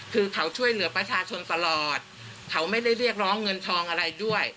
คือเขาช่วยเหลือประชาชนตลอดเขาไม่ได้เรียกร้องเงินทองอะไรด้วย